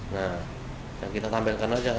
nah yang kita tampilkan aja